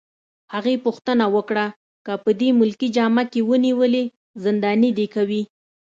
هغې پوښتنه وکړه: که په دې ملکي جامه کي ونیولې، زنداني دي کوي؟